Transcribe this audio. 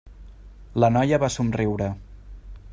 La noia va somriure.